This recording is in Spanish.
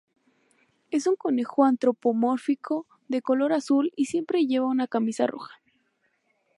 Es un conejo antropomórfico de color azul y siempre lleva una camisa roja.